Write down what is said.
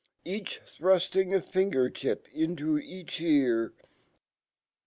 Each fhrurt ing a finger tip into each ear.